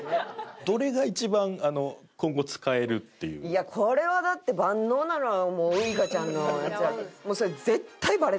いやこれはだって万能なのはウイカちゃんのやつ。